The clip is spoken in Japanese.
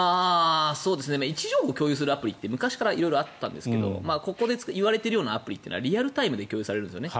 位置情報を共有するアプリって昔からあったんですがここで言われているようなアプリはリアルタイムで共有されるんですね。